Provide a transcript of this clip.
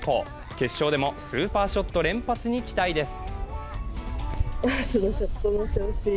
決勝でもスーパーショット連発に期待です。